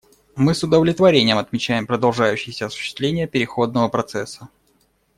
Мы с удовлетворением отмечаем продолжающееся осуществление переходного процесса.